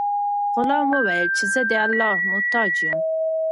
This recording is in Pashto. غلام وویل چې زه د الله محتاج یم.